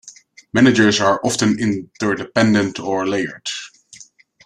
Managers are often interdependent or layered.